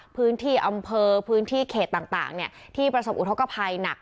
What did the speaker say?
พื้นที่อำเภอพื้นที่เขตต่างที่ประสบอุทธกภัยหนัก